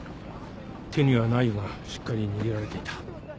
手にはナイフがしっかり握られていた。